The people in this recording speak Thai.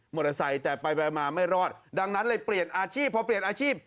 แต่ไปไปมาไม่รอดดังนั้นเลยเปลี่ยนอาชีพพอเปลี่ยนอาชีพ